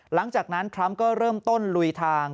หลังจากนั้นทรัมป์ก็เริ่มต้นลุยทาง